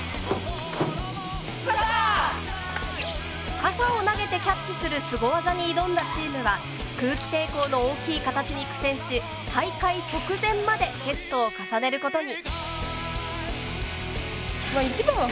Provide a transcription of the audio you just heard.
傘を投げてキャッチするスゴ技に挑んだチームは空気抵抗の大きい形に苦戦し大会直前までテストを重ねることに。